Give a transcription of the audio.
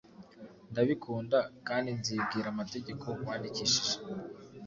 ndabikunda; kandi nzibwira amategeko wandikishije